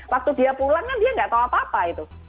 waktu dia pulangnya dia nggak tahu apa apa itu